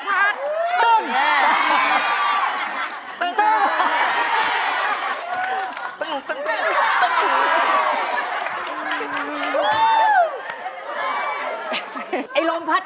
สวัสดีครับ